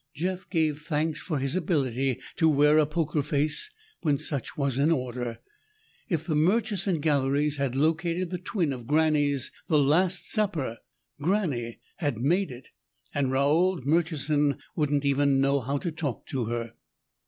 Jeff gave thanks for his ability to wear a poker face when such was in order. If the Murchison Galleries had located the twin of Granny's The Last Supper, Granny had made it. And Raold Murchison wouldn't even know how to talk to her.